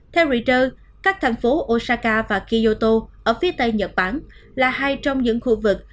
theo reuter các thành phố osaka và kyoto ở phía tây nhật bản là hai trong những khu vực